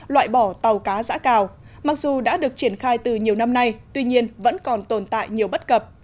loại bỏ tàu cá giã cào mặc dù đã được triển khai từ nhiều năm nay tuy nhiên vẫn còn tồn tại nhiều bất cập